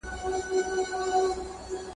راکوه یې ټوله شپه مست میي ناب